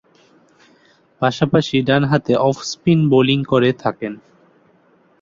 পাশাপাশি ডানহাতে off-spin bowling করে থাকেন।